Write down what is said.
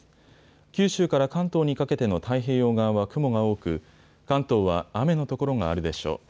九州から関東にかけての太平洋側は雲が多く、関東は雨の所があるでしょう。